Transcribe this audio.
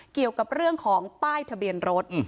เกี่ยวกับเรื่องของป้ายทะเบียนรถ